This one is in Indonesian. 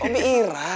oh bi ira